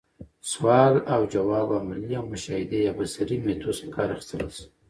سوال اوځواب، عملي او مشاهدي يا بصري ميتود څخه کار اخستلاي سي.